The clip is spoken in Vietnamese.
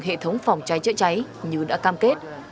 hệ thống phòng cháy chữa cháy như đã cam kết